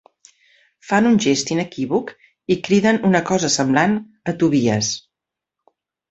Fan un gest inequívoc i criden una cosa semblant a Tobies.